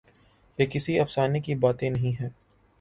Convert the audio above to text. یہ کسی افسانے کی باتیں نہیں ہیں۔